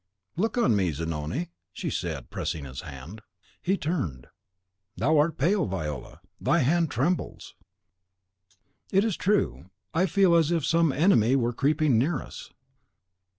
"Look on me, Zanoni," she said, pressing his hand. He turned: "Thou art pale, Viola; thy hand trembles!" "It is true. I feel as if some enemy were creeping near us."